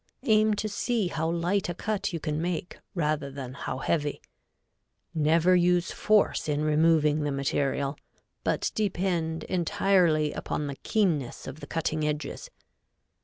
Aim to see how light a cut you can make rather than how heavy. Never use force in removing the material, but depend entirely upon the keenness of the cutting edges.